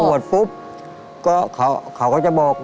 ถ้าปวดปุ๊บก็เขาก็จะบอก